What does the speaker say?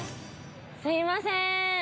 すいません。